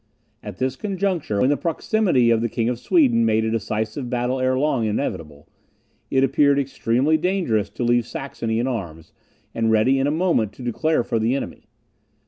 At this conjuncture, when the proximity of the King of Sweden made a decisive battle ere long inevitable, it appeared extremely dangerous to leave Saxony in arms, and ready in a moment to declare for the enemy.